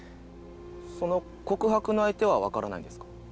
その告白の相手はわからないんですか？